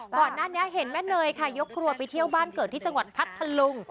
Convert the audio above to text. ก่อนหน้านี้เห็นแม่เนยค่ะยกครัวไปเที่ยวบ้านเกิดที่จังหวัดพัทธลุง